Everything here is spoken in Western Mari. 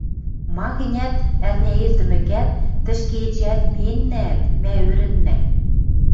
Ма-гӹнят, ӓрня эртӹмӹкӓт, тӹшкӹ эчеӓт миэннӓӓт, мӓ ӧрӹннӓ: